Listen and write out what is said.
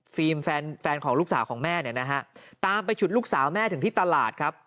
ฟิล์มแฟนของลูกชายแม่ตามไปฉุดลูกสาวแม่ถึงที่ตลาด